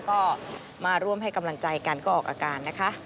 ก็มาร่วมให้กำลังใจกันก็ออกอาการนะคะ